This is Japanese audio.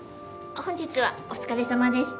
本日はお疲れさまでした。